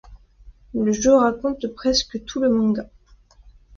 Le jeu raconte presque tout le manga.